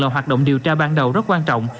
và hoạt động điều tra ban đầu rất quan trọng